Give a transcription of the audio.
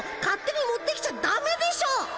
勝手に持ってきちゃだめでしょ。